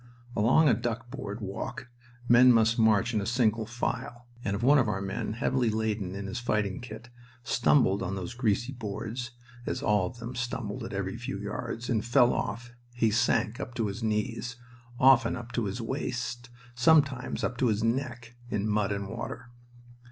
Along a duckboard walk men must march in single file, and if one of our men, heavily laden in his fighting kit, stumbled on those greasy boards (as all of them stumbled at every few yards) and fell off, he sank up to his knees, often up to his waist, sometimes up to his neck, in mud and water.